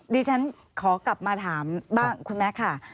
ดิฉันขอกลับมาถามบ้างคุณแม็กซ์ค่ะ